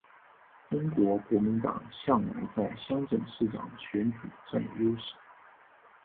中国国民党向来在乡镇市长选举占有优势。